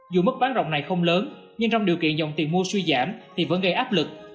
dù mức bán rộng này không lớn nhưng trong điều kiện dòng tiền mua suy giảm thì vẫn gây áp lực